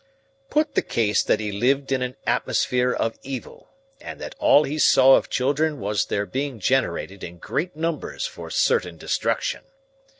"Put the case that he lived in an atmosphere of evil, and that all he saw of children was their being generated in great numbers for certain destruction.